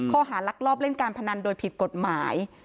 ข้อหารักรอบเล่นการพนันโดยผิดกฎหมาย